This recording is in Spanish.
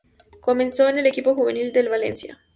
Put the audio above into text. Comenzó en el equipo juvenil del Valencia.